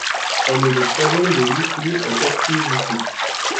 Elle est la troisième des huit filles et quatre fils du couple.